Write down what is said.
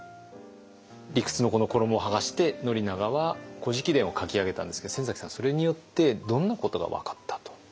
理屈のこの衣をはがして宣長は「古事記伝」を書き上げたんですけど先さんはそれによってどんなことが分かったと？